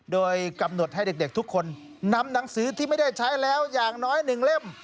โดยกำหนดให้เด็กทุกคนนำหนังสือที่ไม่ได้ใช้แล้วอย่างน้อย๑เล่ม